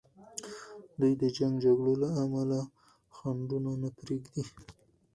دوی د جنګ جګړو له امله خنډونه نه پریږدي.